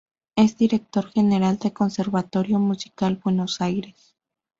Es director general del Conservatorio Musical Buenos Aires.